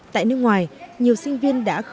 tại nước ngoài nhiều sinh viên đã khởi